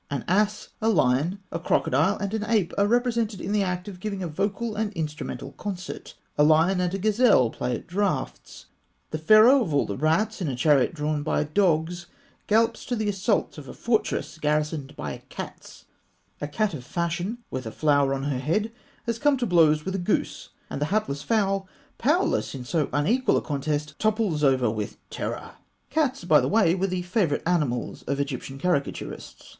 An ass, a lion, a crocodile, and an ape are represented in the act of giving a vocal and instrumental concert; a lion and a gazelle play at draughts; the Pharaoh of all the rats, in a chariot drawn by dogs, gallops to the assault of a fortress garrisoned by cats; a cat of fashion, with a flower on her head, has come to blows with a goose, and the hapless fowl, powerless in so unequal a contest, topples over with terror. Cats, by the way, were the favourite animals of Egyptian caricaturists.